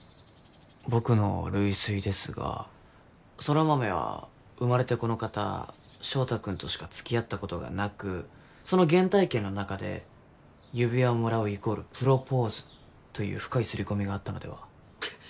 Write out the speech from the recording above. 僕の類推ですが空豆は生まれてこのかた翔太君としかつきあったことがなくその原体験の中で指輪をもらうイコールプロポーズという深い刷り込みがあったのでは？